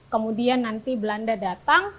kemudian nanti belanda datang